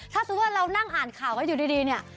ถ้าสิ่งว่าเรานั่งอ่านข่าวให้อยู่ดี